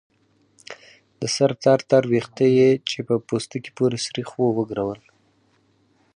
د سر تار تار ويښته يې چې په پوستکي پورې سرېښ وو وګرول.